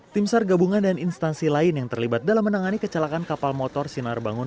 tim sar gabungan dan instansi lain yang terlibat dalam menangani kecelakaan kapal motor sinar bangun